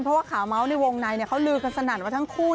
เพราะว่าข่าวเมาส์ในวงในเขาลือกันสนั่นว่าทั้งคู่